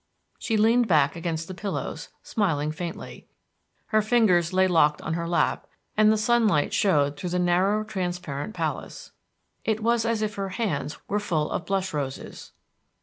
She leaned back against the pillows, smiling faintly. Her fingers lay locked on her lap, and the sunlight showed through the narrow transparent palace. It was as if her hands were full of blush roses.